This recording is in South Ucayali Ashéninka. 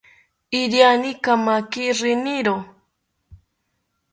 Iriani kamaki riniro